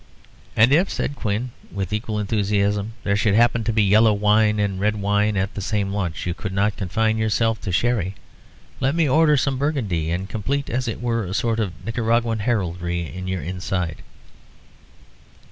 "And if," said Quin, with equal enthusiasm, "there should happen to be yellow wine and red wine at the same lunch, you could not confine yourself to sherry. Let me order some Burgundy, and complete, as it were, a sort of Nicaraguan heraldry in your inside."